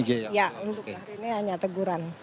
ya untuk hari ini hanya teguran